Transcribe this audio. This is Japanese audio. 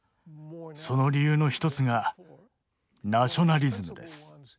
その理由の一つがナショナリズムです。